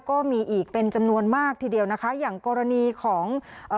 ก็มีอีกเป็นจำนวนมากทีเดียวนะคะอย่างกรณีของเอ่อ